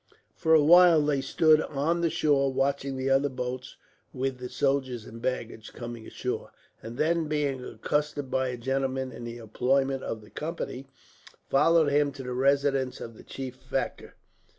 For a while they stood on the shore, watching other boats, with the soldiers and baggage, coming ashore; and then, being accosted by a gentleman in the employment of the Company, followed him to the residence of the chief factor.